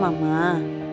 mau ditemani sama mama